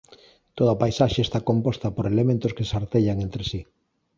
Toda paisaxe está composta por elementos que se artellan entre si.